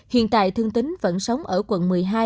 hiện tại thương tính vẫn sống ở quận một mươi hai